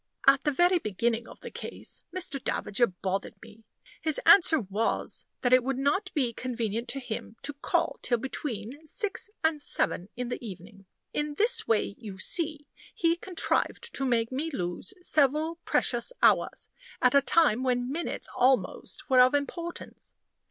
At the very beginning of the case, Mr. Davager bothered me. His answer was, that it would not be convenient to him to call till between six and seven in the evening. In this way, you see, he contrived to make me lose several precious hours, at a time when minutes almost were of importance.